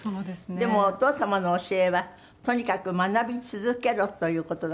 でもお父様の教えはとにかく学び続けろという事だったんですって？